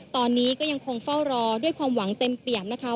ตอนนี้ก็ยังคงเฝ้ารอด้วยความหวังเต็มเปี่ยมนะคะ